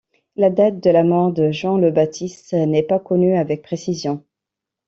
La date de la mort de Jean le Baptiste n'est pas connue avec précision.